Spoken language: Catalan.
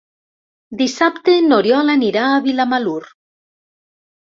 Dissabte n'Oriol anirà a Vilamalur.